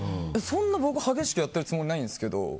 そんなに激しくやってるつもりはないんですけど。